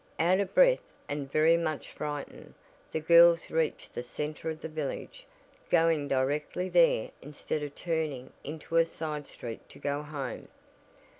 Out of breath, and very much frightened, the girls reached the center of the village, going directly there instead of turning into a side street to go home.